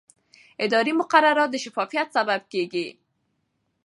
اداري مقررات د شفافیت سبب کېږي.